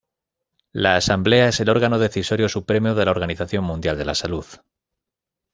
La Asamblea es el órgano decisorio supremo de la Organización Mundial de la Salud.